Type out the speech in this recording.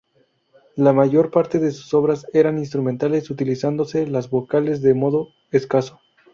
La mayor parte de sus obras eran instrumentales, utilizándose las vocales de modo escaso.